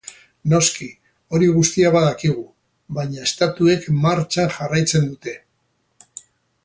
Noski hori guztia badakigu, baina estatuek martxan jarraitzen dute.